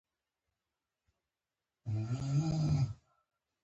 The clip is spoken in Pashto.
واوره د افغانستان د اقلیم یوه مهمه ځانګړتیا ده.